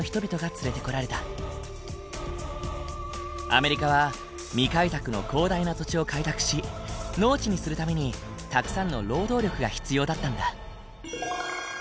アメリカは未開拓の広大な土地を開拓し農地にするためにたくさんの労働力が必要だったんだ。